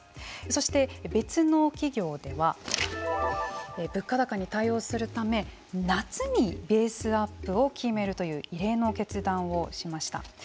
そして、別の企業では物価高に対応するため夏にベースアップを決めるという異例の決断をしました。